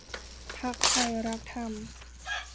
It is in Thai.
พรรคไทรักธรรม